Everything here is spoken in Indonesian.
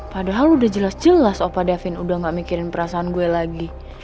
padahal udah jelas jelas opa davin udah gak mikirin perasaan gue lagi